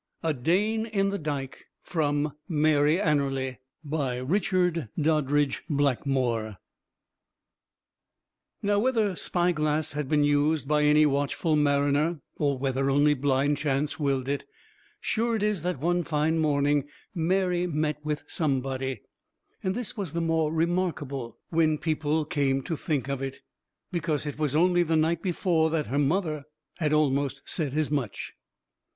A DANE IN THE DIKE From 'Mary Anerley' Now, whether spy glass had been used by any watchful mariner, or whether only blind chance willed it, sure it is that one fine morning Mary met with somebody. And this was the more remarkable, when people came to think of it, because it was only the night before that her mother had almost said as much.